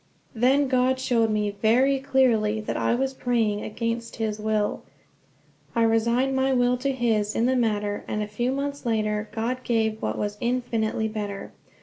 Then God showed me very clearly that I was praying against his will. I resigned my will to his in the matter, and a few months later God gave what was infinitely better.